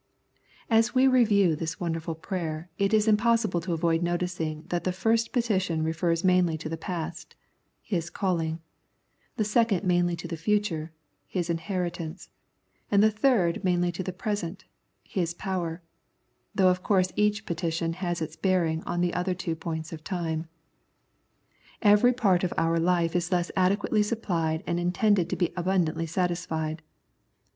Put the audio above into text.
As we review this wonderful prayer it is impossible to avoid noticing that the first petition refers mainly to the past (" His calling "); the second mainly to the future (" His inheritance "); and the third mainly to the present (" His power "), though of course each petition has its bearing on the other two points of time. Every part of our life is thus adequately suppHed and intended to be abundantly satisfied.